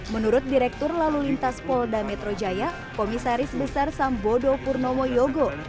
menurut direktur lalu lintas polda metro jaya komisaris besar sambodo purnomo yogo